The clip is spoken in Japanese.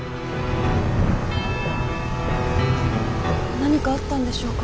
何かあったんでしょうか。